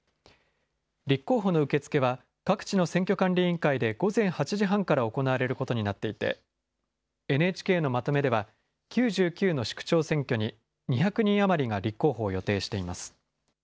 立候補の受け付けは、各地の選挙管理委員会で午前８時半から行われることになっていて、ＮＨＫのまとめでは、９９の市区長選挙に２００人余りが立候補を予定しています。